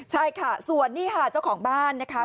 ใช่ค่ะส่วนนี่ค่ะเจ้าของบ้านนะคะ